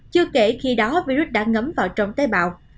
chưa kể khi đó virus đã ngấm vào trong tế bào